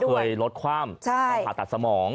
เขาเคยลดความผ่าตัดสมอง